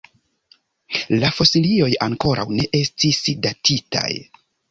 La fosilioj ankoraŭ ne estis datitaj.